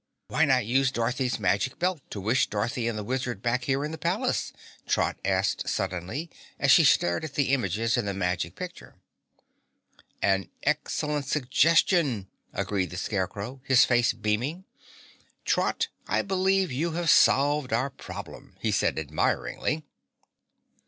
"Why not use Dorothy's Magic Belt to wish Dorothy and the Wizard back here in the palace?" Trot asked suddenly as she stared at the images in the Magic Picture. "An excellent suggestion!" agreed the Scarecrow, his face beaming. "Trot, I believe you have solved our problem," he said admiringly.